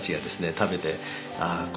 食べてああ